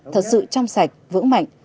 thật sự chăm sạch vững mạnh